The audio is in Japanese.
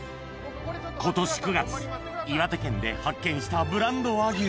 今年９月岩手県で発見したブランド和牛